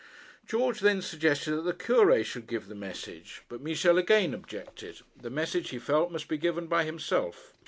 George then suggested that the Cure should give the message, but Michel again objected. The message, he felt, must be given by himself.